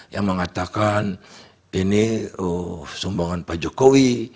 yang mengatakan ini sumbangan pak jokowi